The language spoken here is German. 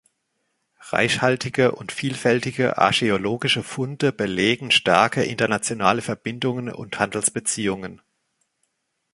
Reichhaltige und vielfältige archäologische Funde belegen starke internationale Verbindungen und Handelsbeziehungen.